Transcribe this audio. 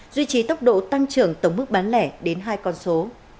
duy trì tốc độ tăng trưởng tổng mức bán lẻ đến hai con số